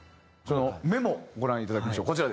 そのメモご覧いただきましょう。